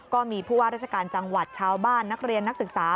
ก็มีผู้ว่าราชการจังหวัดชาวบ้านนักเรียนนักศึกษา